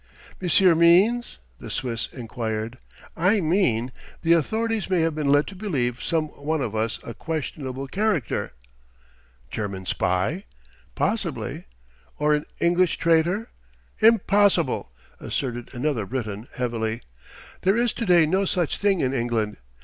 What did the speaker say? "Monsieur means ?" the Swiss enquired. "I mean, the authorities may have been led to believe some one of us a questionable character." "German spy?" "Possibly." "Or an English traitor?" "Impossible," asserted another Briton heavily. "There is to day no such thing in England.